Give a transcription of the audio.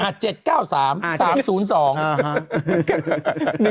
๑ชุด